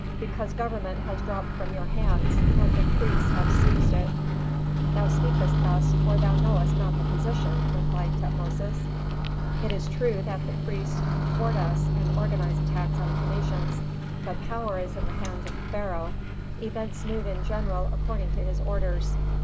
Because government has dropped from your hands, and the priests have seized it." "Thou speakest thus for thou knowest not the position," replied Tutmosis. "It is true that the priests thwart us and organize attacks on Phœnicians. But power is in the hands of the pharaoh; events move in general according to his orders."